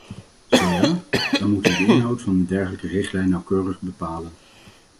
Zo ja, dan moeten we de inhoud van een dergelijke richtlijn nauwkeurig bepalen.